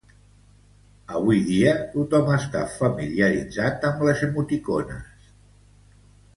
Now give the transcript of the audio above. Avui dia tothom està familiaritzat amb les emoticones.